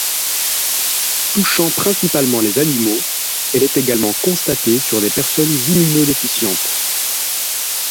Touchant principalement les animaux, elle est également constatée sur des personnes immunodéficientes.